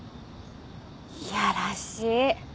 やらしい。